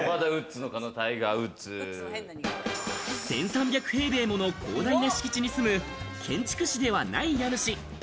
１３００平米もの広大な敷地に住む、建築士ではない家主。